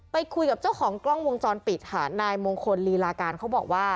ไปคุยกับเจ้าของกล้องวงจรปิดค่ะนายมงคลลีลาการเขาบอกว่า